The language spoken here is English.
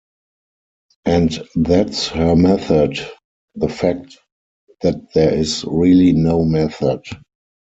And that's her method - the fact that there is really no method.